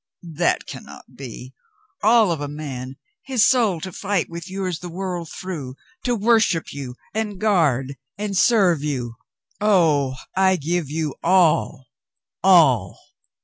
"That can not be. All of a man, his soul to fight with yours the world through, to worship you and guard and serve you, oh, I give you all, all.